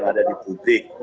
ada di putih